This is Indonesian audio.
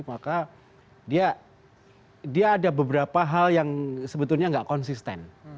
maka dia ada beberapa hal yang sebetulnya nggak konsisten